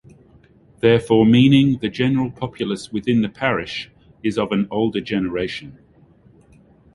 Therefore meaning the general populace within the parish, is of an older generation.